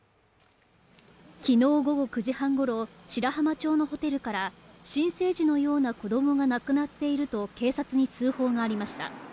昨日午後９時半ごろ、白浜町のホテルから新生児のような子供が亡くなっていると警察に通報がありました。